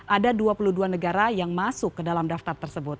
ada dua puluh dua negara yang masuk ke dalam daftar tersebut